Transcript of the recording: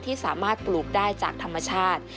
ที่สามารถปลูกได้จากธรรมชาติ